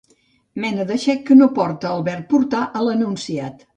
Mena de xec que no porta el verb portar a l'enunciat.